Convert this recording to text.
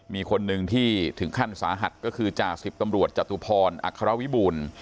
มีคนหนึ่งที่ถึงขั้นสาหัสก็คือจ่าสิบตำรวจจตุพรอัครวิบูรณ์